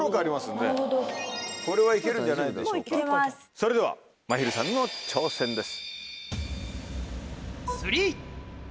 それではまひるさんの挑戦です。